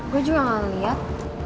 gue juga gak liat